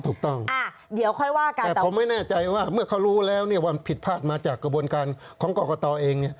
แต่ผมไม่แน่ใจว่าเมื่อเขารู้แล้วว่าผิดพลาดมาจากกระบวนการของกรกตเอง